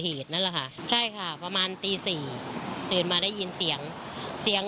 นั่นแหละค่ะใช่ค่ะประมาณตีสี่ตื่นมาได้ยินเสียงเสียง